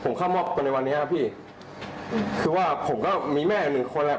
ผมเข้ามอบตัวในวันนี้ครับพี่คือว่าผมก็มีแม่หนึ่งคนแหละ